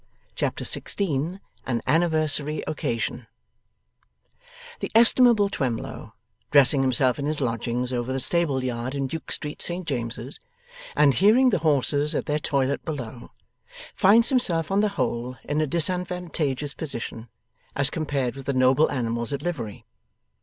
Chapter 16 AN ANNIVERSARY OCCASION The estimable Twemlow, dressing himself in his lodgings over the stable yard in Duke Street, Saint James's, and hearing the horses at their toilette below, finds himself on the whole in a disadvantageous position as compared with the noble animals at livery.